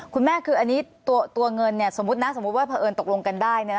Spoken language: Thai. คุณแม่คืออันนี้ตัวเงินสมมุตินะสมมุติว่าเผอิญตกลงกันได้